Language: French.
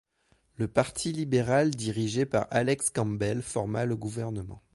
Le Parti libéral dirigé par Alex Campbell forma le gouvernement.